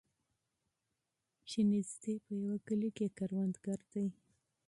چي نیژدې په یوه کلي کي دهقان دی